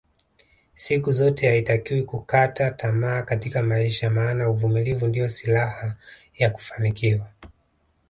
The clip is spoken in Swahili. Siku zote haitakiwi kukata tamaa Katika maisha maana uvumilivu ndio silaha ya kufanikiwa